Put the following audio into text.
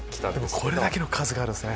これだけの数があるんですね。